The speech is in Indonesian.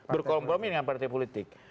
berkompromi dengan partai politik